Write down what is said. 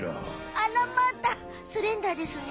あらまたスレンダーですね。